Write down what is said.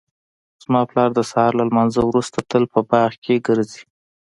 زما پلار د سهار له لمانځه وروسته تل په باغ کې ګرځي